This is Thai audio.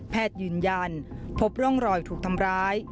ยืนยันพบร่องรอยถูกทำร้าย